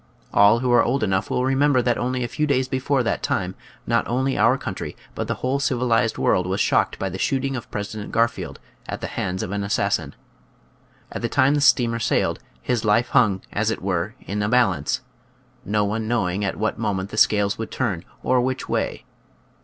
All who are old enough will remember that only a few days before that time not only our country but the whole civilized world was shocked by the shooting of President Garfield at the hands of an assassin. At the time the steamer sailed his Kfe hung, as it were, in a balance, no one knowing at what moment the scales would turn, or which way.